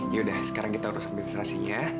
yaudah sekarang kita harus ambil sarasinya